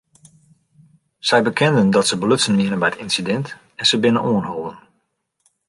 Sy bekenden dat se belutsen wiene by it ynsidint en se binne oanholden.